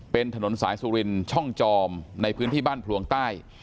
เป็นถนนสายสุรินช่องจอมในพื้นที่บ้านพลวงใต้